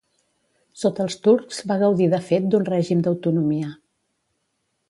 Sota els turcs va gaudir de fet d'un règim d'autonomia.